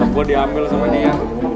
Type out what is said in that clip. sendok gue diambil sama nia